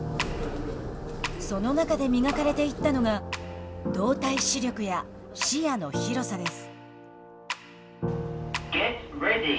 その中で磨かれていったのが動体視力や視野の広さです。